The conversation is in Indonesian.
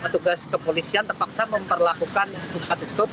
tugas kepolisian terpaksa memperlakukan buka tutup